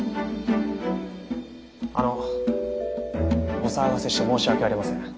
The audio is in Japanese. あのお騒がせして申し訳ありません。